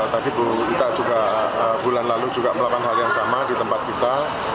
tadi bu ita juga bulan lalu juga melakukan hal yang sama di tempat kita